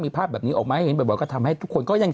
มีภาพแบบนี้ออกมาให้เห็นบ่อยก็ทำให้ทุกคนก็ยัง